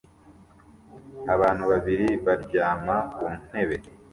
Abantu babiri baryama ku ntebe